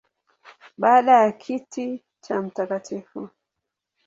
Baada ya kiti cha Mt.